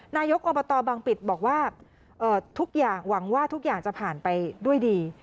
นายกอบตบางปิดบอกว่าทุกอย่างหวังว่าทุกอย่างจะผ่านไปด้วยดี